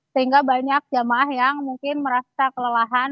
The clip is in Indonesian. sehingga banyak jamaah yang mungkin merasa kelelahan